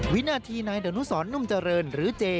วินาทีในดันทุศรนุ่มเจอร์นหรือเจ๊